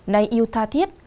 này yêu tha thiết